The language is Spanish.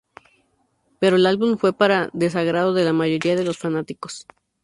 Pero el álbum fue para desagrado de la mayoría de los fanáticos.